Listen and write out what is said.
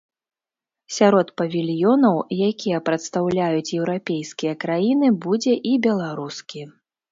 Сярод павільёнаў, якія прадстаўляюць еўрапейскія краіны, будзе і беларускі.